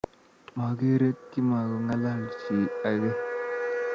Mokerei kimakongalalchinkei